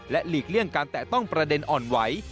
หลีกเลี่ยงการแตะต้องประเด็นอ่อนไหว